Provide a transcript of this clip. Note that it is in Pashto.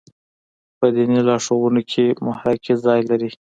په دیني لارښوونو کې محراقي ځای لري.